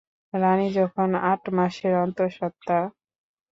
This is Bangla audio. রানী যখন আট মাসের অন্তঃসত্ত্বা।